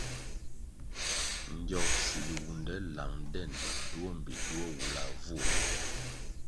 Ngyogsi biwunde lang den duo mbpi duo wulavu ri.